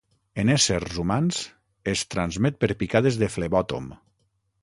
En éssers humans es transmet per picades de flebòtom.